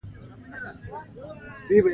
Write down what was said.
جانداد د مهربانۍ ښکلی څېرہ لري.